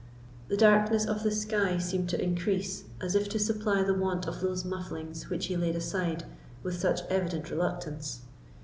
The darkness of the sky seemed to increase, as if to supply the want of those mufflings which he laid aside with such evident reluctance.